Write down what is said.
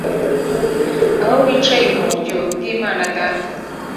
aho wicaye iburyo bw'imana data